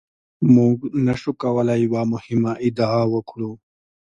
موږ نشو کولای یوه مهمه ادعا وکړو.